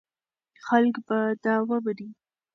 خلک به دا ومني.